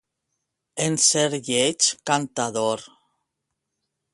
En ser lleig, cantador.